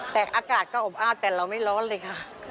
แต่อากาศก็อบอ้าวแต่เราไม่ร้อนเลยค่ะ